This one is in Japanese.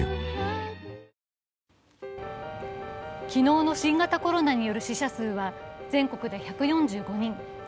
昨日の新型コロナによる死者数は全国で１４５人。